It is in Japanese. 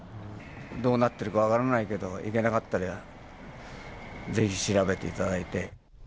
どうなってるか分からないけど、いけなかったら、ぜひ調べていただいて。